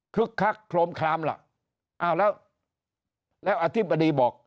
คักโครมคลามล่ะอ้าวแล้วแล้วอธิบดีบอก